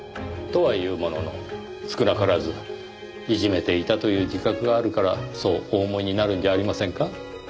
とは言うものの少なからずいじめていたという自覚があるからそうお思いになるんじゃありませんか？